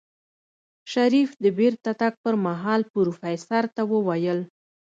شريف د بېرته تګ پر مهال پروفيسر ته وويل.